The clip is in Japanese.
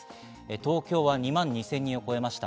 東京は２万２０００人を超えました。